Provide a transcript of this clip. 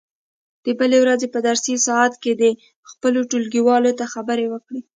د بلې ورځې په درسي ساعت کې دې خپلو ټولګیوالو ته خبرې وکړي.